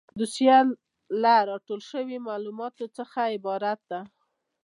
دوسیه له راټول شویو معلوماتو څخه عبارت ده.